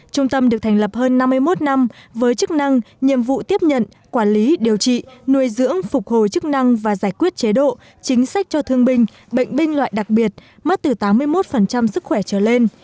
trung tâm được thành lập hơn năm mươi một năm với chức năng nhiệm vụ tiếp nhận quản lý điều trị nuôi dưỡng phục hồi chức năng và giải quyết chế độ chính sách cho thương binh bệnh binh loại đặc biệt mất từ tám mươi một sức khỏe trở lên